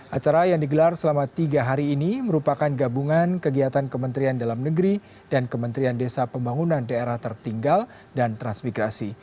acara yang digelar selama tiga hari ini merupakan gabungan kegiatan kementerian dalam negeri dan kementerian desa pembangunan daerah tertinggal dan transmigrasi